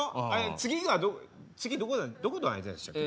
次が次どこどこの間でしたっけ？